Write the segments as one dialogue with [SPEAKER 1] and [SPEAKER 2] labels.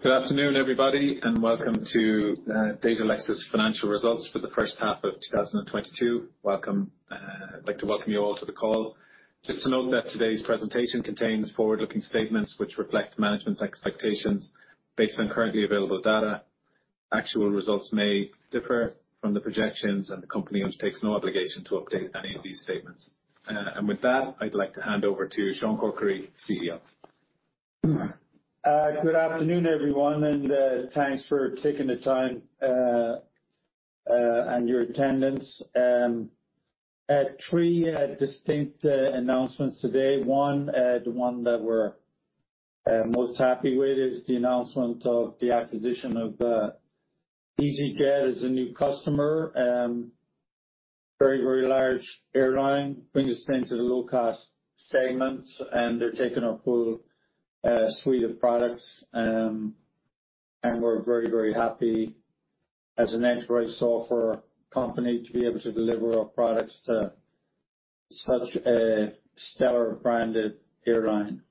[SPEAKER 1] Good afternoon, everybody, and welcome to Datalex financial results for the H1 of 2022. Welcome. I'd like to welcome you all to the call. Just to note that today's presentation contains forward-looking statements which reflect management's expectations based on currently available data. Actual results may differ from the projections, and the company undertakes no obligation to update any of these statements. With that, I'd like to hand over to Sean Corkery, CEO.
[SPEAKER 2] Good afternoon, everyone, and thanks for taking the time and your attendance. Three distinct announcements today. One, the one that we're most happy with is the announcement of the acquisition of easyJet as a new customer. Very, very large airline, brings us into the low-cost segment, and they're taking our full suite of products. We're very, very happy as an enterprise software company to be able to deliver our products to such a stellar branded airline.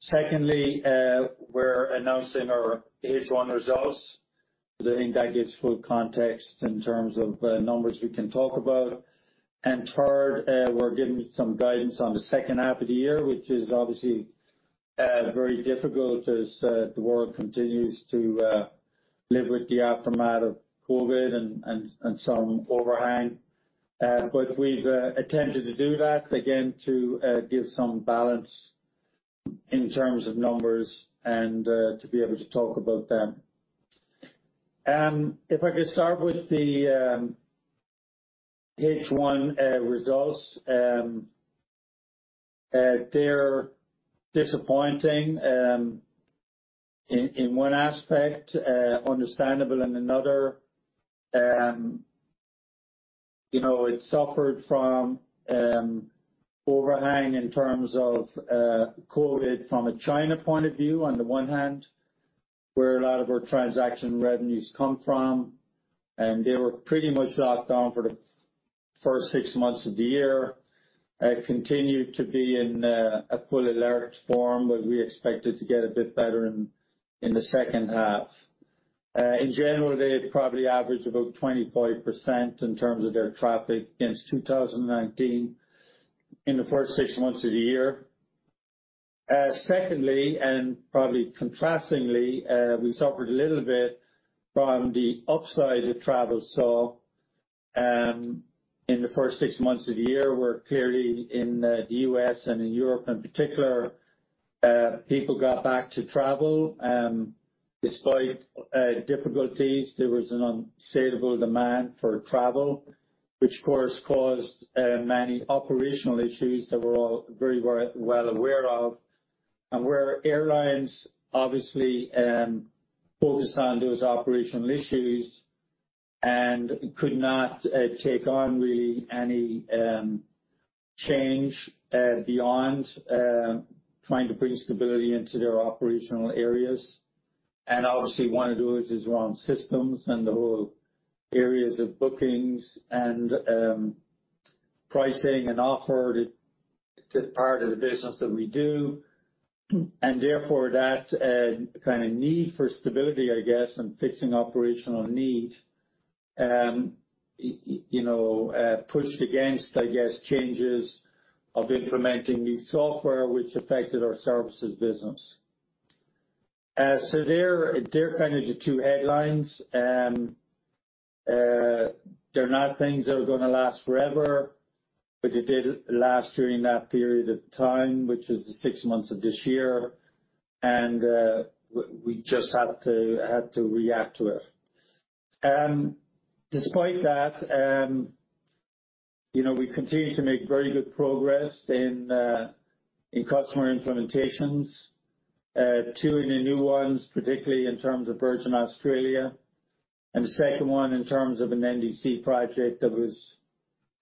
[SPEAKER 2] Secondly, we're announcing our H1 results. I think that gives full context in terms of numbers we can talk about. Third, we're giving some guidance on the H2 of the year, which is obviously very difficult as the world continues to live with the aftermath of COVID and some overhang. We've attempted to do that again to give some balance in terms of numbers and to be able to talk about them. If I could start with the H1 results. They're disappointing in one aspect, understandable in another. You know, it suffered from overhang in terms of COVID from a China point of view, on the one hand, where a lot of our transaction revenues come from, and they were pretty much locked down for the first six months of the year, continued to be in a full alert form, but we expect it to get a bit better in the H2. In general, they probably average about 25% in terms of their traffic against 2019 in the first six months of the year. Secondly, and probably contrastingly, we suffered a little bit from the upside of travel. In the first six months of the year, where clearly in the U.S. and in Europe in particular, people got back to travel, despite difficulties. There was an insatiable demand for travel, which of course caused many operational issues that we're all very well aware of. Where airlines obviously focused on those operational issues and could not take on really any change beyond trying to bring stability into their operational areas. Obviously one of those is around systems and the whole areas of bookings and pricing and offer, the part of the business that we do. Therefore, that kind of need for stability, I guess, and fixing operational need, you know, pushed against, I guess, changes of implementing new software which affected our services business. They're kind of the two headlines. They're not things that are gonna last forever, but it did last during that period of time, which is the six months of this year. We just had to react to it. Despite that, you know, we continue to make very good progress in customer implementations, two of the new ones, particularly in terms of Virgin Australia. The second one in terms of an NDC project that was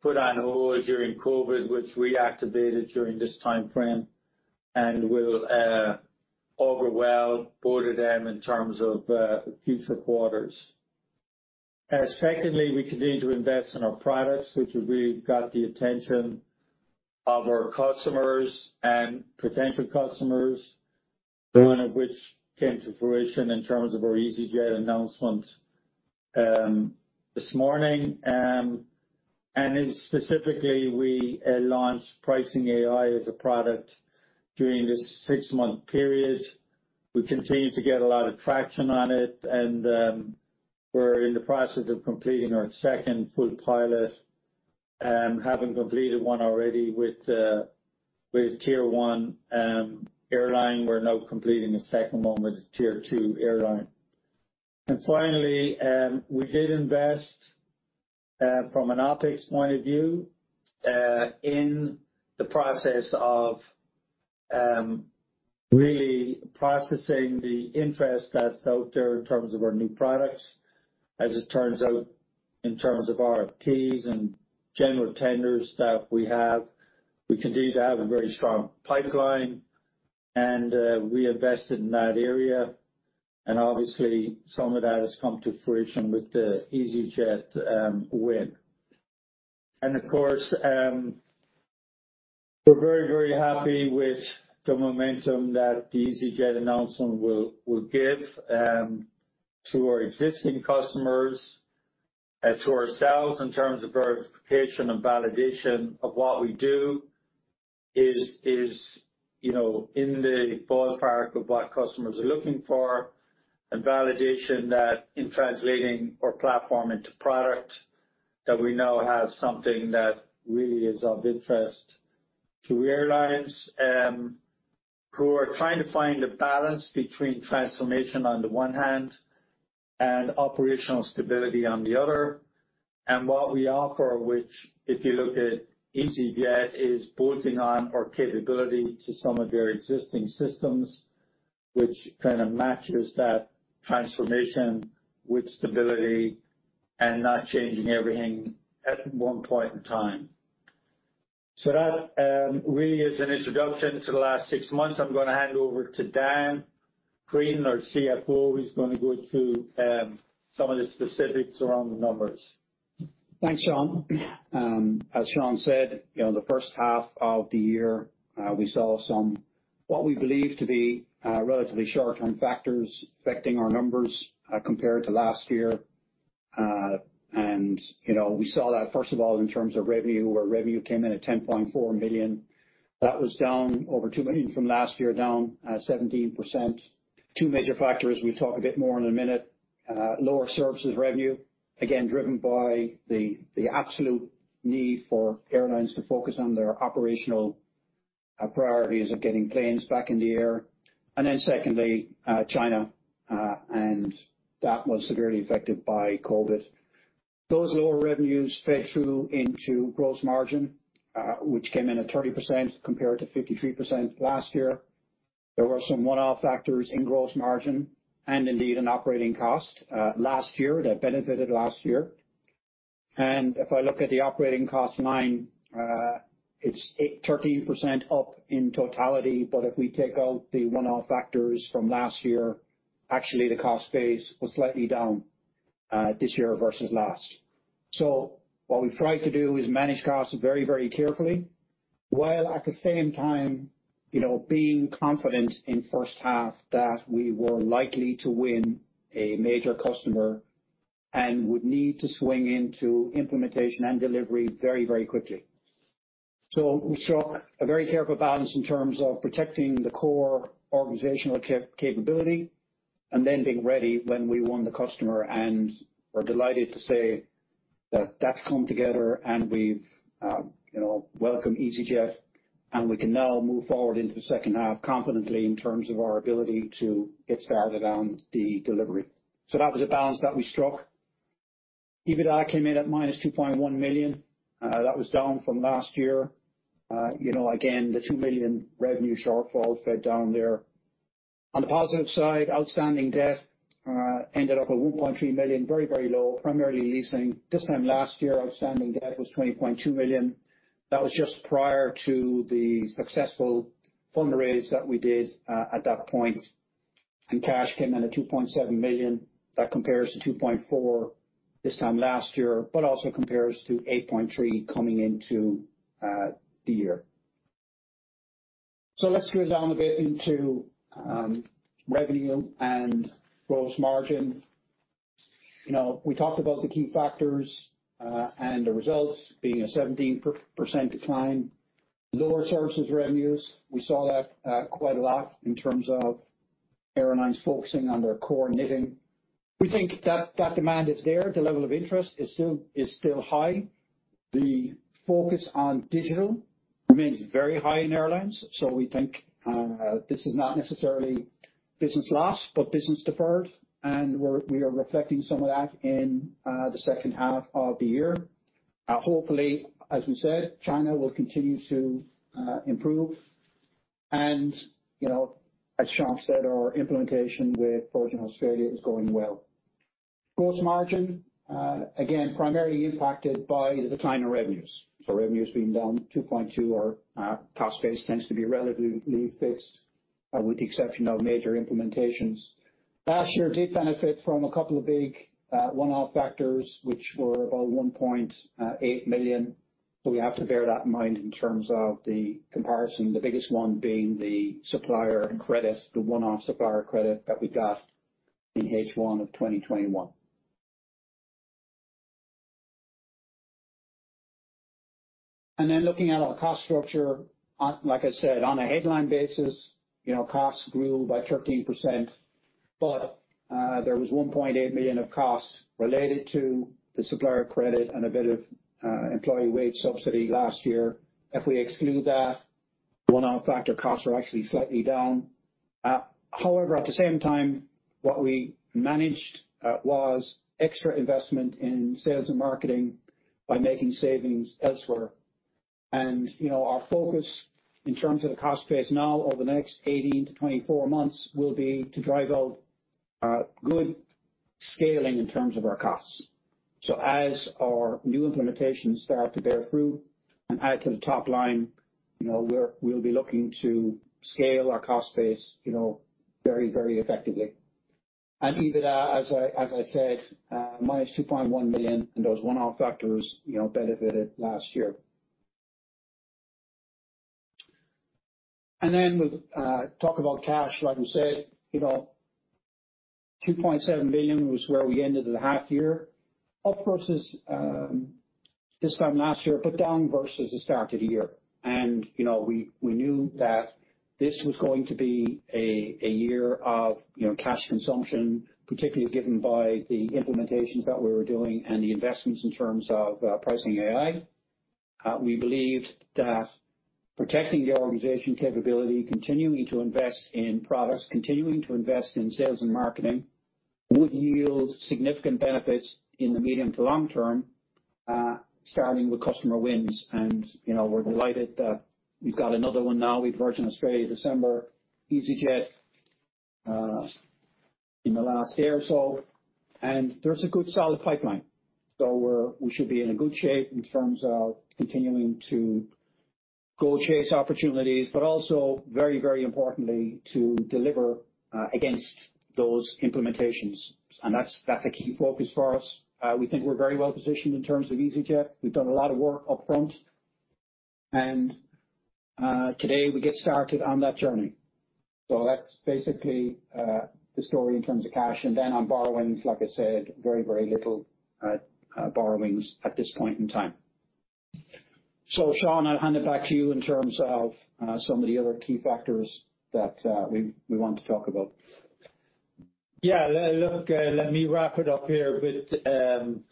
[SPEAKER 2] put on hold during COVID, which reactivated during this timeframe and will overwhelm both of them in terms of future quarters. Secondly, we continue to invest in our products, which have really got the attention of our customers and potential customers, one of which came to fruition in terms of our easyJet announcement this morning. And specifically, we launched Pricing AI as a product during this six-month period. We continue to get a lot of traction on it and we're in the process of completing our second full pilot, having completed one already with Tier one airline. We're now completing a second one with Tier two airline. Finally, we did invest from an OpEx point of view in the process of really processing the interest that's out there in terms of our new products. As it turns out, in terms of RFPs and general tenders that we have, we continue to have a very strong pipeline, and we invested in that area. Obviously, some of that has come to fruition with the easyJet win. Of course, we're very, very happy with the momentum that the easyJet announcement will give to our existing customers and to ourselves in terms of verification and validation of what we do is, you know, in the ballpark of what customers are looking for, and validation that in translating our platform into product, that we now have something that really is of interest to airlines who are trying to find a balance between transformation on the one hand and operational stability on the other. What we offer, which if you look at easyJet, is bolting on our capability to some of their existing systems, which kind of matches that transformation with stability and not changing everything at one point in time. That really is an introduction to the last six months. I'm gonna hand over to Dan Creedon, our CFO, who's gonna go through some of the specifics around the numbers.
[SPEAKER 3] Thanks, Sean. As Sean said, you know, in the H1 of the year, we saw some what we believe to be, relatively short-term factors affecting our numbers, compared to last year. You know, we saw that, first of all, in terms of revenue, where revenue came in at 10.4 million. That was down over 2 million from last year, down, 17%. Two major factors, we'll talk a bit more in a minute. Lower services revenue, again, driven by the absolute need for airlines to focus on their operational priorities of getting planes back in the air. And then secondly, China, and that was severely affected by COVID. Those lower revenues fed through into gross margin, which came in at 30% compared to 53% last year. There were some one-off factors in gross margin and indeed in operating cost last year that benefited last year. If I look at the operating cost line, it's 13% up in totality, but if we take out the one-off factors from last year, actually the cost base was slightly down this year versus last. What we tried to do is manage costs very, very carefully, while at the same time, you know, being confident in H1 that we were likely to win a major customer and would need to swing into implementation and delivery very, very quickly. We struck a very careful balance in terms of protecting the core organizational capability and then being ready when we won the customer, and we're delighted to say that that's come together and we've, you know, welcomed easyJet, and we can now move forward into the H2 confidently in terms of our ability to get started on the delivery. That was a balance that we struck. EBITDA came in at -2.1 million. That was down from last year. You know, again, the 2 million revenue shortfall fed down there. On the positive side, outstanding debt ended up at 1.3 million, very, very low, primarily leasing. This time last year, outstanding debt was 20.2 million. That was just prior to the successful fundraise that we did at that point. Cash came in at 2.7 million. That compares to 2.4 million this time last year, but also compares to 8.3 million coming into the year. Let's go down a bit into revenue and gross margin. You know, we talked about the key factors and the results being a 17% decline. Lower services revenues, we saw that quite a lot in terms of airlines focusing on their core knitting. We think that demand is there. The level of interest is still high. The focus on digital remains very high in airlines. We think this is not necessarily business lost, but business deferred, and we are reflecting some of that in the H2 of the year. Hopefully, as we said, China will continue to improve. You know, as Sean said, our implementation with Virgin Australia is going well. Gross margin, again, primarily impacted by the decline in revenues. Revenues being down 2.2%, our cost base tends to be relatively fixed, with the exception of major implementations. Last year did benefit from a couple of big one-off factors, which were about 1.8 million. We have to bear that in mind in terms of the comparison, the biggest one being the supplier credit, the one-off supplier credit that we got in H1 of 2021. Looking at our cost structure, like I said, on a headline basis, you know, costs grew by 13%, but there was 1.8 million of costs related to the supplier credit and a bit of employee wage subsidy last year. If we exclude that, one-off factor costs are actually slightly down. However, at the same time, what we managed was extra investment in sales and marketing by making savings elsewhere. You know, our focus in terms of the cost base now over the next 18-24 months will be to drive out good scaling in terms of our costs. As our new implementations start to bear through and add to the top line, you know, we'll be looking to scale our cost base, you know, very, very effectively. EBITDA, as I said, -2.1 million and those one-off factors, you know, benefited last year. Then with talk about cash, like we said, you know, 2.7 billion was where we ended the half year. Up versus this time last year, but down versus the start of the year. You know, we knew that this was going to be a year of, you know, cash consumption, particularly given by the implementations that we were doing and the investments in terms of, Pricing AI. We believed that protecting the organization capability, continuing to invest in products, continuing to invest in sales and marketing, would yield significant benefits in the medium to long term, starting with customer wins. You know, we're delighted that we've got another one now with Virgin Australia, December, easyJet, in the last year or so. There's a good, solid pipeline. We should be in a good shape in terms of continuing to go chase opportunities, but also very, very importantly, to deliver against those implementations. That's a key focus for us. We think we're very well positioned in terms of easyJet. We've done a lot of work upfront, and today we get started on that journey. That's basically the story in terms of cash. On borrowings, like I said, very, very little borrowings at this point in time. Sean, I'll hand it back to you in terms of some of the other key factors that we want to talk about.
[SPEAKER 2] Yeah, look, let me wrap it up here. You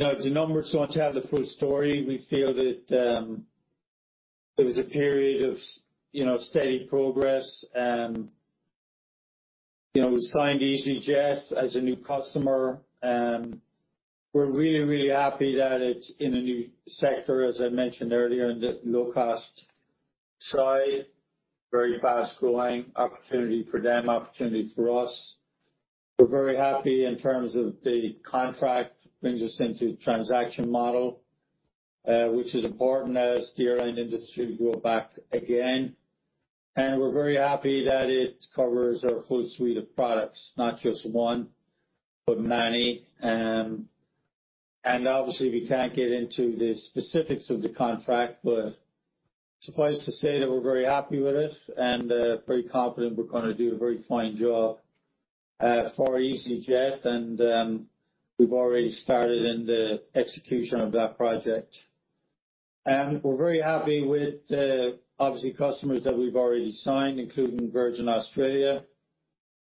[SPEAKER 2] know, the numbers don't tell the full story. We feel that it was a period of, you know, steady progress. You know, we signed easyJet as a new customer. We're really, really happy that it's in a new sector, as I mentioned earlier, in the low-cost side. Very fast-growing opportunity for them, opportunity for us. We're very happy in terms of the contract, brings us into transactional model, which is important as the airline industry grows back again. We're very happy that it covers our full suite of products, not just one, but many. Obviously we can't get into the specifics of the contract, but suffice to say that we're very happy with it, and pretty confident we're gonna do a very fine job for easyJet. We've already started in the execution of that project. We're very happy with the, obviously, customers that we've already signed, including Virgin Australia,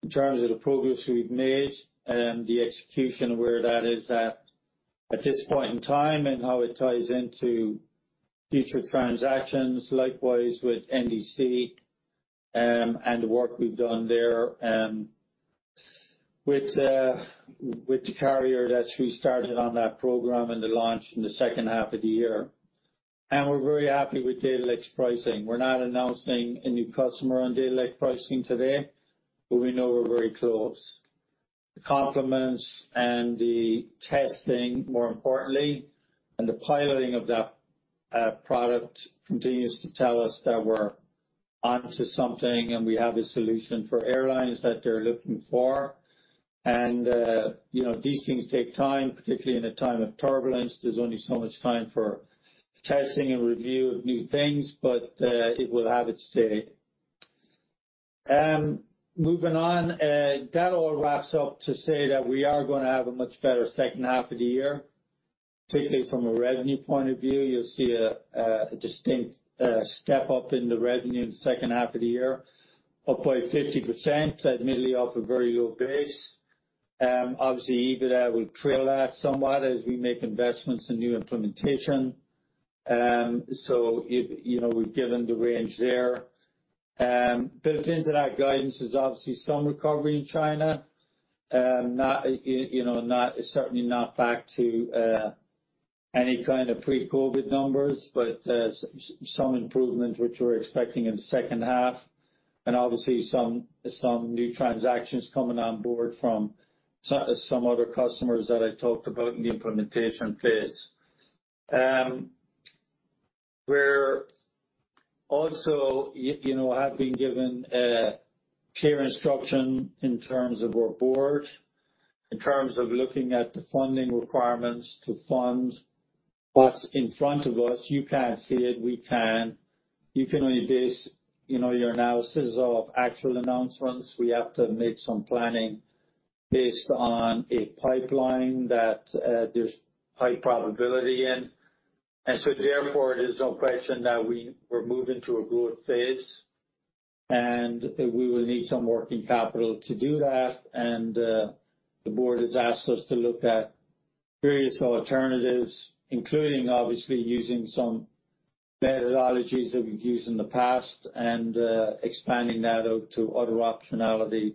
[SPEAKER 2] in terms of the progress we've made, the execution where that is at this point in time and how it ties into future transactions. Likewise, with NDC, and the work we've done there, with with the carrier that we started on that program and the launch in the H2 of the year. We're very happy with Datalex Pricing. We're not announcing a new customer on Datalex Pricing today, but we know we're very close. The compliments and the testing, more importantly, and the piloting of that product continues to tell us that we're onto something and we have a solution for airlines that they're looking for. You know, these things take time, particularly in a time of turbulence. There's only so much time for testing and review of new things, but it will have its day. Moving on. That all wraps up to say that we are gonna have a much better H2 of the year, particularly from a revenue point of view. You'll see a distinct step up in the revenue in the H2 of the year, up by 50%, admittedly off a very low base. Obviously, EBITDA will trail that somewhat as we make investments in new implementation. You know, we've given the range there. Built into that guidance is obviously some recovery in China. You know, certainly not back to any kind of pre-COVID numbers, but some improvement which we're expecting in the H2, and obviously some new transactions coming on board from some other customers that I talked about in the implementation phase. We're also, you know, have been given clear instruction in terms of our board, in terms of looking at the funding requirements to fund what's in front of us. You can't see it, we can. You can only base, you know, your analysis off actual announcements. We have to make some planning based on a pipeline that there's high probability in. Therefore, there's no question that we're moving to a growth phase, and we will need some working capital to do that. The board has asked us to look at various alternatives, including, obviously, using some methodologies that we've used in the past and, expanding that out to other optionality,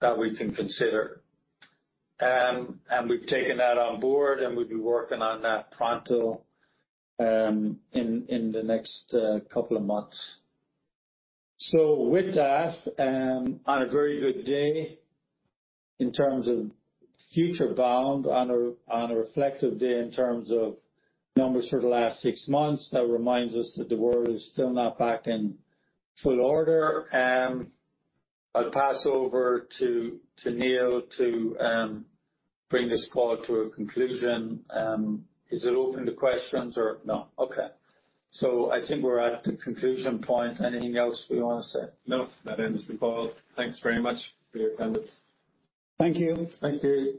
[SPEAKER 2] that we can consider. We've taken that on board, and we'll be working on that pronto, in the next couple of months. With that, on a very good day in terms of future bound, on a reflective day in terms of numbers for the last six months, that reminds us that the world is still not back in full order. I'll pass over to Neil to bring this call to a conclusion. Is it open to questions or no? Okay. I think we're at the conclusion point. Anything else we wanna say?
[SPEAKER 1] No, that ends the call. Thanks very much for your attendance.
[SPEAKER 2] Thank you.
[SPEAKER 1] Thank you.